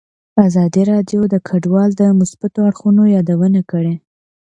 ازادي راډیو د کډوال د مثبتو اړخونو یادونه کړې.